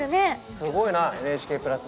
すごいなＮＨＫプラス！